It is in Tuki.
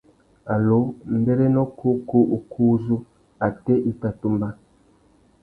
Allô ; mbérénô kǔkú ukú uzu, atê i tà tumba ?